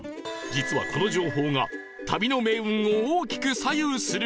実はこの情報が旅の命運を大きく左右する事に